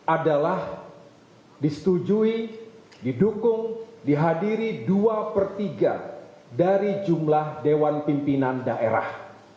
adalah disetujui didukung dihadiri dua per tiga dari jumlah dewan pimpinan daerah